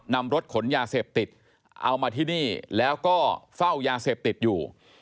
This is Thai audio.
นำรถขนยาเสพติดเอามาที่นี่แล้วก็เฝ้ายาเสพติดอยู่